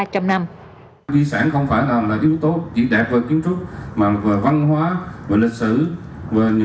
di sản không phải là yếu tố chỉ đẹp về kiến trúc mà về văn hóa về lịch sử